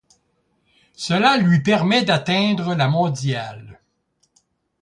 Cela lui permet d'atteindre la mondiale.